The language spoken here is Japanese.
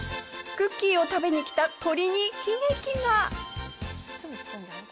クッキーを食べにきた鳥に悲劇が！